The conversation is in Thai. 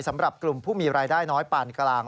สำหรับกลุ่มผู้มีรายได้น้อยปานกลาง